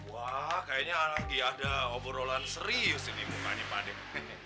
wah kayaknya anak anak di ada obrolan serius ini bukannya pak dek